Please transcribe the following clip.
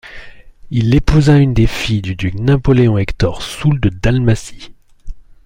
Il épousa une des filles du duc Napoléon-Hector Soult de Dalmatie.